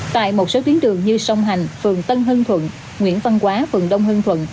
tại một số tuyến đường như sông hành phường tân hương thuận nguyễn văn quá phường đông hưng thuận